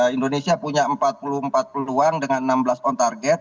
indonesia punya empat puluh empat peluang dengan enam belas on target